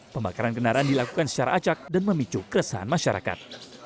pembakaran kendaraan dilakukan secara acak dan memicu keresahan masyarakat